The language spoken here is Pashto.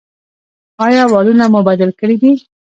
ایا والونه مو بدل کړي دي؟